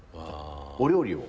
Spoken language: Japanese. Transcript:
お料理を？